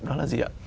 đó là gì ạ